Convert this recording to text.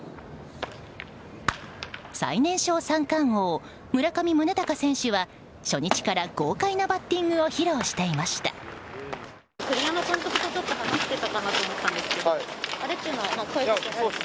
最年少三冠王、村上宗隆選手は初日から豪快なバッティングを披露していました。